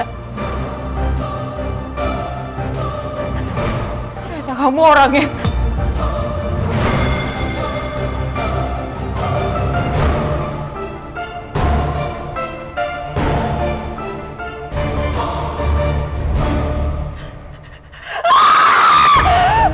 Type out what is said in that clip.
ternyata kamu orang yang